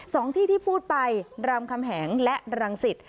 สองที่ที่พูดไปรามคำแหงและรังสิต